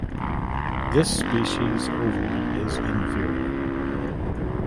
This species ovary is inferior.